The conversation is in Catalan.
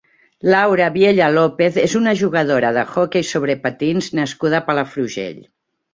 Laura Viella López és una jugadora d'hoquei sobre patins nascuda a Palafrugell.